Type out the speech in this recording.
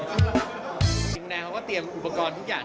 จริงในเขาก็เตรียมอุปกรณ์ทุกอย่าง